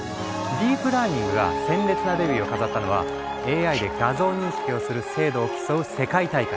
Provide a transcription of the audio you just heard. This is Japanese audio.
「ディープラーニング」が鮮烈なデビューを飾ったのはＡＩで画像認識をする精度を競う世界大会。